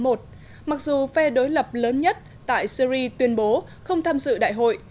mặc dù phe đối lập lớn nhất tại syri tuyên bố không tham dự đại hội